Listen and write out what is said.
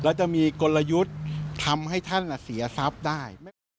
แล้วจะมีกลยุทธ์ทำให้ท่านเสียทรัพย์ได้